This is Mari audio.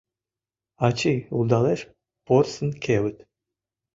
Ачий улдалеш порсын кевыт